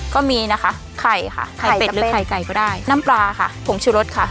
ก็มีนะคะไข่ค่ะไข่เป็ดหรือไข่ไก่ก็ได้น้ำปลาค่ะผงชุรสค่ะ